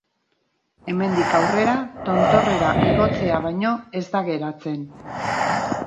Hemendik aurrera, tontorrera igotzea baino ez da geratzen.